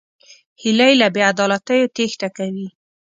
هیلۍ له بېعدالتیو تېښته کوي